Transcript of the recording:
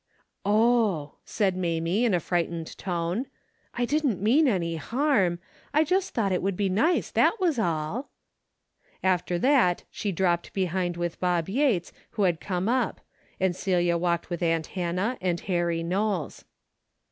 Oh," said Mamie, in a frightened tone, '' I didn't mean any harm. I just thought it would be nice, that was all." After that she dropped behind with Bob Yates who had come up, and Celia walked with aunt Hannah and Harry Knowles.